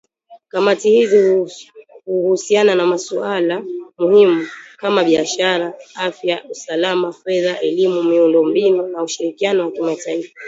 Kamati hizi huhusiana na masuala muhimu kama biashara , afya , usalama , fedha , elimu , miundombinu na ushirikiano wa kimataifa